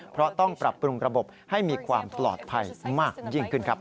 เพราะต้องปรับปรุงระบบให้มีความปลอดภัยมากยิ่งขึ้นครับ